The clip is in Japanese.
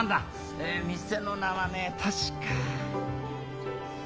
え店の名はね確か。